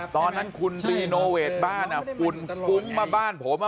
ตอนนั้นคุณรีโนเวทบ้านฝุ่นฟุ้งมาบ้านผม